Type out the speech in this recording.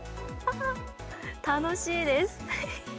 楽しいです。